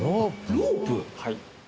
ロープ？